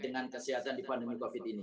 dengan kesehatan di pandemi covid ini